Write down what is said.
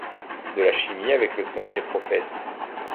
De la chimie avec le songe des prophètes ;